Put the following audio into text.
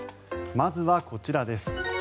まずはこちらです。